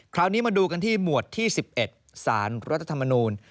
คราวนี้มาดูกันที่หมวดที่๑๑สารรัฐธรรมนูล